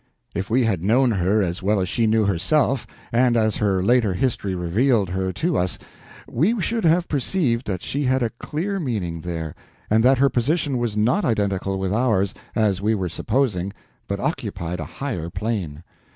If we had known her as well as she knew herself, and as her later history revealed her to us, we should have perceived that she had a clear meaning there, and that her position was not identical with ours, as we were supposing, but occupied a higher plane.